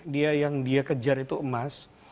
dia yang dia kejar itu emas